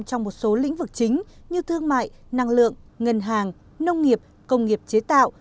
trong một số lĩnh vực chính như thương mại năng lượng ngân hàng nông nghiệp công nghiệp chế tạo